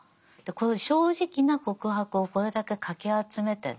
正直な告白をこれだけかき集めてね